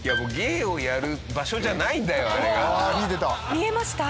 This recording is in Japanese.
見えました？